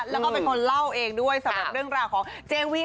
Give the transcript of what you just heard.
แล้วก็เป็นคนเล่าเองด้วยสำหรับเรื่องราวของเจวี